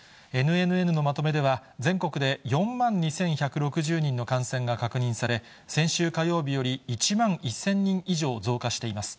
ＮＮＮのまとめでは、全国で４万２１６０人の感染が確認され、先週火曜日より１万１０００人以上増加しています。